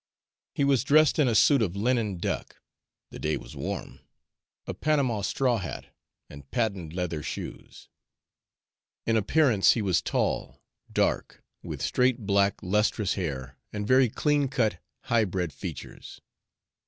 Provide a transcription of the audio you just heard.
He was dressed in a suit of linen duck the day was warm a panama straw hat, and patent leather shoes. In appearance he was tall, dark, with straight, black, lustrous hair, and very clean cut, high bred features.